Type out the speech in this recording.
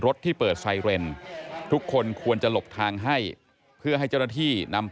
ที่เปิดไซเรนทุกคนควรจะหลบทางให้เพื่อให้เจ้าหน้าที่นำ